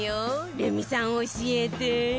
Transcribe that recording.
レミさん教えて！